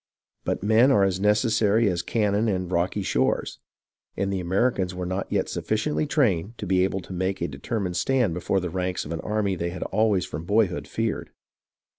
But men are as necessary as cannon and rocky shores ; and the Americans were not yet sufificiently trained to be able to make a determined stand before the ranks of an army they had always from boyhood feared.